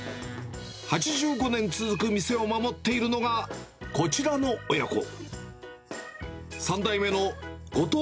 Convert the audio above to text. ８５年続く店を守っているのが、こちらの親子。